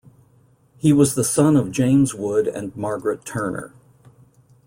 He was the son of James Wood and Margaret Turner.